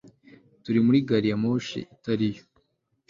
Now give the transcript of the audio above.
Turi muri gari ya moshi itari yo